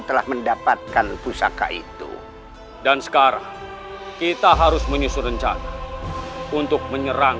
telah mendapatkan pusaka itu dan sekarang kita harus menyusun rencana untuk menyerang